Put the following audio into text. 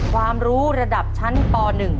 ความรู้ระดับชั้นป๑